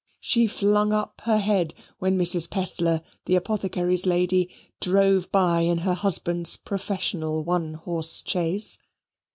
She flung up her head when Mrs. Pestler, the apothecary's lady, drove by in her husband's professional one horse chaise.